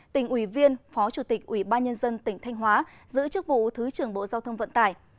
tỉnh ủy viên phó chủ tịch ủy ban nhân dân tỉnh thanh hóa giữ chức vụ thứ trưởng bộ giao thông vận tải